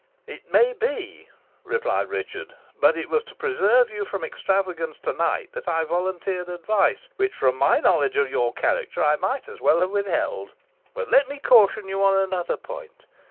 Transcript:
"It may be," replied Richard; "but it was to preserve you from extravagance to night that I volunteered advice, which, from my knowledge of your character, I might as well have withheld. But let me caution you on another point.